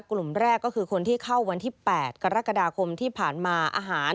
กลุ่มแรกก็คือคนที่เข้าวันที่๘กรกฎาคมที่ผ่านมาอาหาร